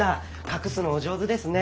隠すのお上手ですね。